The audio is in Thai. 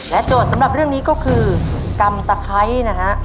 โจทย์สำหรับเรื่องนี้ก็คือกำตะไคร้นะฮะ